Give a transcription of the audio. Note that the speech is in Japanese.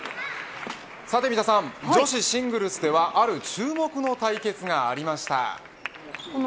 さて三田さん女子シングルスではある注目の対決がありました。